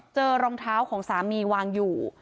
รองเท้าของสามีวางอยู่